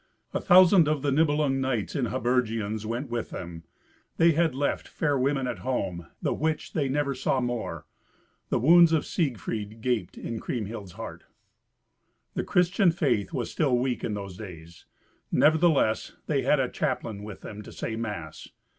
A thousand of the Nibelung knights in habergeons went with them, that had left fair women at home, the which they never saw more. The wounds of Siegfried gaped in Kriemhild's heart. The Christian faith was still weak in those days. Nevertheless they had a chaplain with them to say mass.